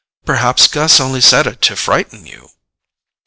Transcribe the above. "Perhaps Gus only said it to frighten you."